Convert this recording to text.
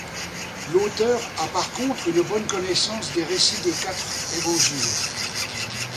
L'auteur a par contre une bonne connaissance des récits des quatre évangiles.